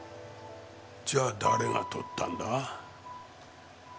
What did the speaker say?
じゃあ誰が撮ったんだ？